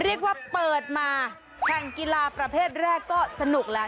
เรียกว่าเปิดมาแข่งกีฬาประเภทแรกก็สนุกแล้ว